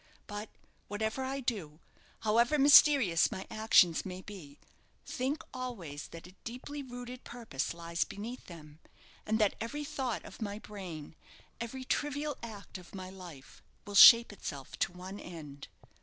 But, whatever I do, however mysterious my actions may be, think always that a deeply rooted purpose lies beneath them; and that every thought of my brain every trivial act of my life, will shape itself to one end."